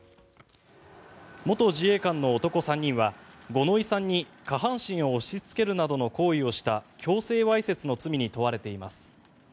元自衛官の男３人は五ノ井さんに下半身を押しつけるなどの行為をした強制わいせつの罪に問われています。